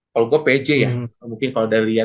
kalau gue pj ya